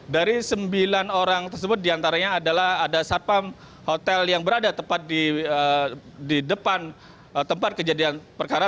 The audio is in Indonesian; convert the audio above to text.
dari sembilan orang tersebut diantaranya adalah ada satpam hotel yang berada tepat di depan tempat kejadian perkara